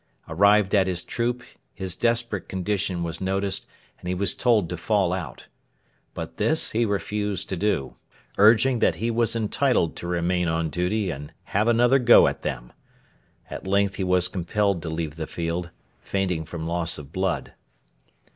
Arrived at his troop, his desperate condition was noticed and he was told to fall out. But this he refused to do, urging that he was entitled to remain on duty and have 'another go at them.' At length he was compelled to leave the field, fainting from loss of blood.